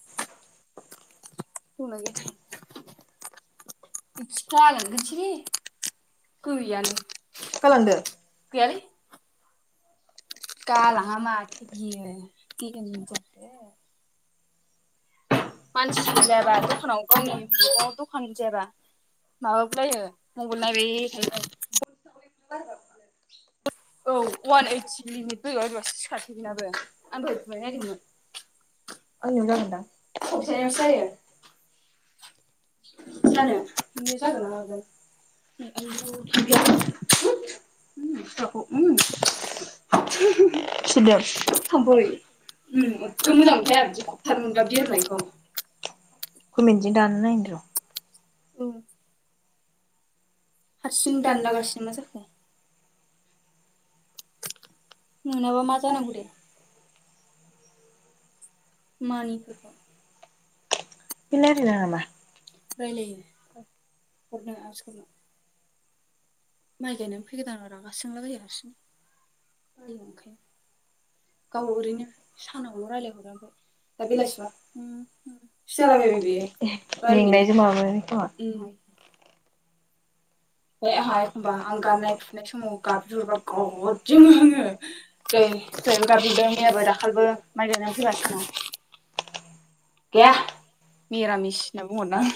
[inaudible] दंना गैयाथाय [unintelligible] गैयानो गालांदों। गैयालै गालाङा माथो बियो देनजारसो मानसि जाबा दखानाव गावनि न'आव दखान जायाबा माबाबो नायो मबेल नायबाय थायो। औ अवान ओयद सिमिट बोरैबा बोरैबासो सिखारसै बेनाबो आं दहाय बुना नायदोंमोन। आंनियाव नांगोनदां खबजायासो जायो। जानो नोंनियाव जागोना मागोन [unintelligible] [unintelligible] [inaudible] सुदों थाबफै उम गोगोम मोजां मोनखायो आंहा बिदि खबथार मोनबा बिरनायखौ। गुमैनिजों दानना नायनिर' ओं हारसिं दानलागासिनो मा जाखो? नोंनाबा मा जानांगौ दे। मानि खोखौ रायलायो हरनो ओ मानसिफोरनाव माइ गायनानै फैगोदानाव रागासो जोंलाबायो हारसिंनो बायो ओंखायनो। गाव ओरैनो सानावल' रायलायहरो ओमफाय दा बिलासेबा उम उमसो जालाबायबाय बेयो रायलायनायानो उम फाय आंहा एखमबा आं गाननाय फुनाय समाव गाबज्रिहरबा गाद जोंङो आंङो। दैै दहायबो गाबज्रिदों मैयाबो दाखालिबो माइ गायनानै फैबासो जोंहानाव गैया मिरामिस बुंहरदां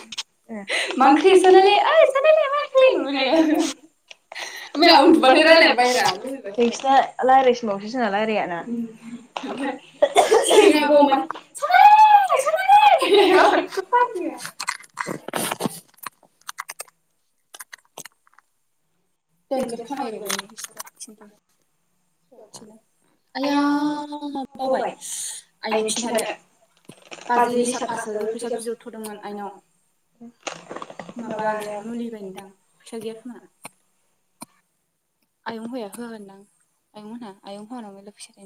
ए मा ओंख्रि सनालि ओय सनालि मा ओंख्रि मैयायो ओयफाय आं उन्दुबाथाय रायलायनो [inaudible] नोंसिना रायलायसिमबावसो जोंना रायलाया। [inaudible] सेङागौमानि सनालि सनालि [inaudible] देनजार खामायबाय बे आइया माबा बावबाय आइनो खिन्थानो। बाजै लिसा फास हाजार फैसा बिहरथ'दोंमोन आइनाव। माबानो मुलि बायनोदां फैसा गैया खोमा। आयं हुवाया होआगोनदां आयंमोनहा आयं हौवानाव मेरला फैसा थायो।